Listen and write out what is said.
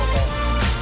rồi chạy đây chạy đây